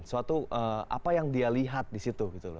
suatu apa yang dia lihat di situ